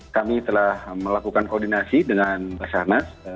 kami telah melakukan koordinasi dengan basarnas